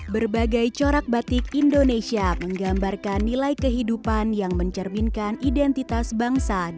berbagai corak batik indonesia menggambarkan nilai kehidupan yang mencerminkan identitas bangsa